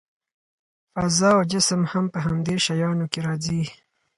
فضا او جسم هم په همدې شیانو کې راځي.